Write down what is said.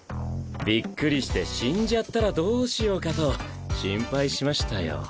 びっくりして死んじゃったらどうしようかと心配しましたよ。